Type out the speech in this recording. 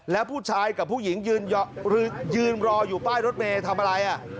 แล้วผู้ชายกับผู้หญิงยืนรออยู่ป้ายรถเมย์ทำอะไร